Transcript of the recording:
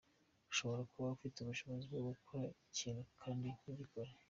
Ushobora kuba ufite ubushobozi bwo gukora ikintu kandi ntugikore.